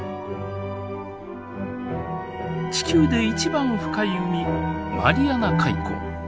地球で一番深い海マリアナ海溝。